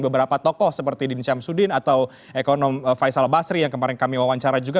beberapa tokoh seperti din syamsuddin atau ekonom faisal basri yang kemarin kami wawancara juga